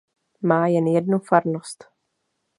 Má jen jednu farnost.